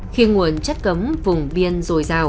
khi nguồn chất cấm vùng biên dồi dào